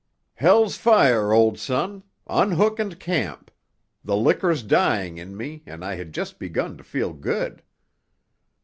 "Hell's fire, old son; unhook and camp. The liquor's dying in me, and I had just begun to feel good."